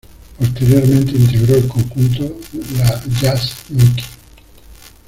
Posteriormente integró el conjunto "La jazz Mickey".